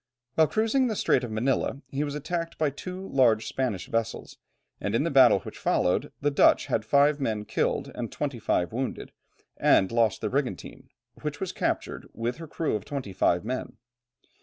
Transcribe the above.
While cruising in the Strait of Manilla he was attacked by two large Spanish vessels, and in the battle which followed the Dutch had five men killed, and twenty five wounded and lost their brigantine, which was captured with her crew of twenty five men.